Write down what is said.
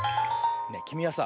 ねえきみはさ